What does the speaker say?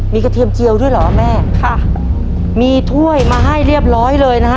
มีกระเทียมเจียวด้วยเหรอแม่ค่ะมีถ้วยมาให้เรียบร้อยเลยนะฮะ